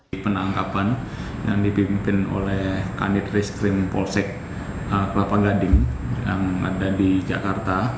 di penangkapan yang dipimpin oleh kanit reskrim polsek kelapa gading yang ada di jakarta